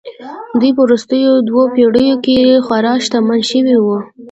دوی په وروستیو دوو پېړیو کې خورا شتمن شوي وو